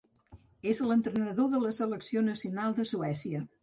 És l'entrenador de la selecció nacional de Suècia.